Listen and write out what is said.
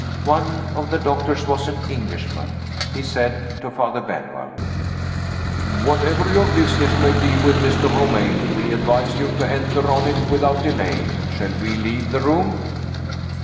One of the doctors was an Englishman. He said to Father Benwell: "Whatever your business may be with Mr. Romayne, we advise you to enter on it without delay. Shall we leave the room?"